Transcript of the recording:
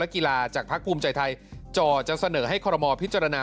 และกีฬาจากภาคภูมิใจไทยจอจะเสนอให้เกราหมอพิจารณา